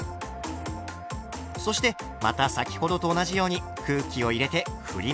そしてまた先ほどと同じように空気を入れてふります。